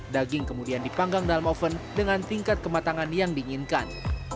daging kemudian dipanggang dalam oven dengan tingkat kematangan yang diinginkan